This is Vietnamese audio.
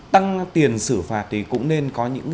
tăng tiền xử phạt thì cũng nên có những